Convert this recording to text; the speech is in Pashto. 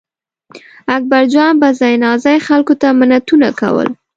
اکبرجان به ځای ناځای خلکو ته منتونه کول.